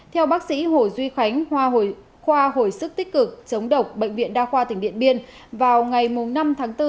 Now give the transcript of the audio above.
theo bác sĩ hồ duy khánh khoa hồi sức tích cực chống độc bệnh viện đa khoa tỉnh điện biên vào ngày năm tháng bốn